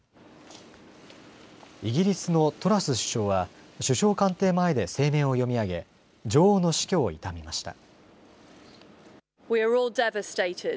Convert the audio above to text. イギリスのトラス首相は首相官邸前で声明を読み上げ女王の死去を悼みました。